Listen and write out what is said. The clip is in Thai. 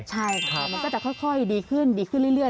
ใช่ค่ะมันก็จะค่อยดีขึ้นดีขึ้นเรื่อย